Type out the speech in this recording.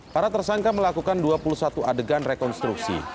para tersangka melakukan dua puluh satu adegan rekonstruksi